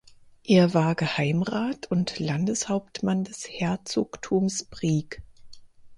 Er war Geheimrat und Landeshauptmann des Herzogtums Brieg.